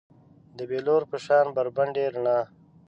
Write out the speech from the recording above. د بیلور په شان بربنډې رڼا